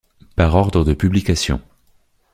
Par ordre de publication.